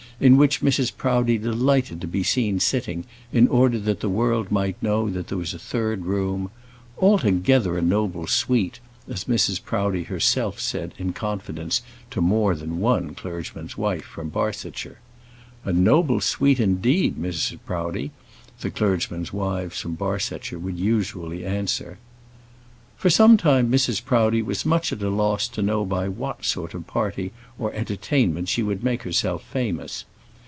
in which Mrs. Proudie delighted to be seen sitting, in order that the world might know that there was a third room; altogether a noble suite, as Mrs. Proudie herself said in confidence to more than one clergyman's wife from Barsetshire. "A noble suite, indeed, Mrs. Proudie!" the clergymen's wives from Barsetshire would usually answer. For some time Mrs. Proudie was much at a loss to know by what sort of party or entertainment she would make herself famous.